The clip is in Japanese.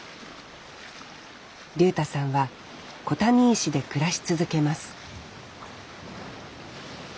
竜太さんは小谷石で暮らし続けます